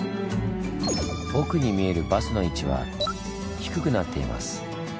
奥に見えるバスの位置は低くなっています。